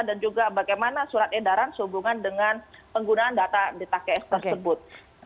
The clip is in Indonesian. dan juga bagaimana surat edaran sehubungan dengan penggunaan data dtks tersebut